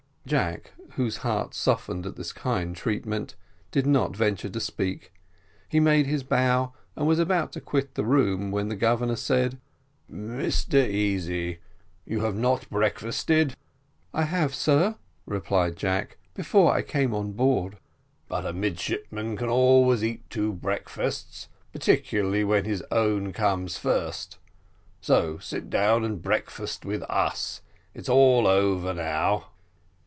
Jack, whose heart softened at this kind treatment, did not venture to speak; he made his bow, and was about to quit the room, when the Governor said: "Mr Easy, you have not breakfasted." "I have, sir," replied Jack, "before I came on shore." "But a midshipman can always eat two breakfasts, particularly when his own comes first so sit down and breakfast with us it's all over now."